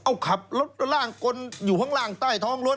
เอาขับรถร่างกลอยู่ข้างล่างใต้ท้องรถ